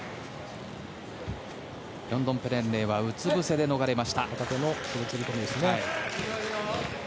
ヨンドンペレンレイはうつぶせで逃れました。